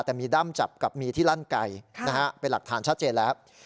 แต่มีด้ำจับกับมีที่ลั่นไก่เป็นหลักฐานชัดเจนแล้ว